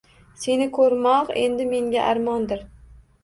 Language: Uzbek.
Seni ko‘rmoq endi menga armondir